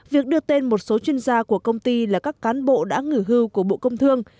việc đưa tên một số chuyên gia của công ty là các cán bộ đã nghỉ hưu của bộ công thương